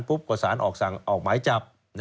ปุ๊บก็สารออกหมายจับ